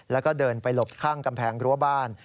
แล้วก็เดินไปหลบข้างกำแพงรั้วบ้าน